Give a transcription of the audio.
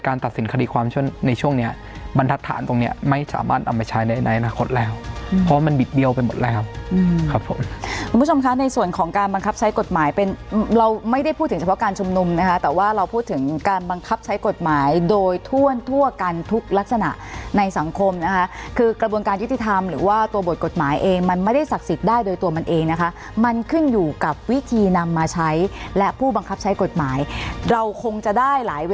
การบังคับใช้กฎหมายเป็นเราไม่ได้พูดถึงเฉพาะการชมนุมนะคะแต่ว่าเราพูดถึงการบังคับใช้กฎหมายโดยท่วนทั่วกันทุกลักษณะในสังคมนะคะคือกระบวนการยุติธรรมหรือว่าตัวบทกฎหมายเองมันไม่ได้ศักดิ์สิทธิ์ได้โดยตัวมันเองนะคะมันขึ้นอยู่กับวิธีนำมาใช้และผู้บังคับใช้กฎหมายเราคงจะได้หลาย